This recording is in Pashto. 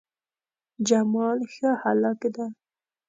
جمال ښه هلک ده